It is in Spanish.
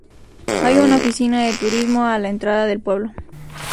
Hay una oficina de turismo a la entrada del pueblo.